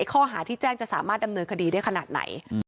ข้อหาที่แจ้งจะสามารถดำเนินคดีได้ขนาดไหน